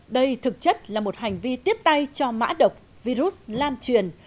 đây thực chất là một hành vi tiếp tay cho mã độc virus lan truyền